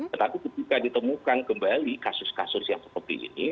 tetapi ketika ditemukan kembali kasus kasus yang seperti ini